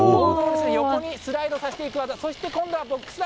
横にスライドさせていく技、そして今度はボックスだ。